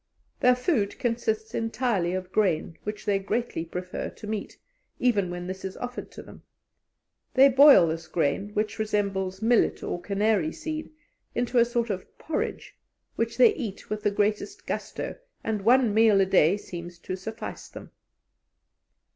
Their food consists entirely of grain, which they greatly prefer to meat, even when this is offered to them. They boil this grain, which resembles millet or canary seed, into a sort of porridge, which they eat with the greatest gusto, and one meal a day seems to suffice them.